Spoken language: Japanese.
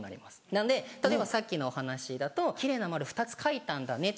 なので例えばさっきのお話だと「奇麗な丸２つ描いたんだね」